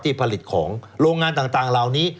ผลิตของโรงงานต่างเหล่านี้